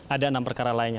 ada enam perkara lainnya